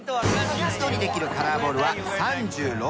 一度にできるカラーボールは３６個。